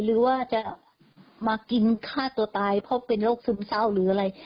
หรือว่าจะมากินฆ่าตัวตายเพราะเป็นโรคซึมเศร้าหรืออะไร